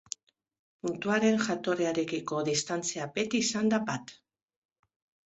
Puntuaren jatorriarekiko distantzia beti izan da bat.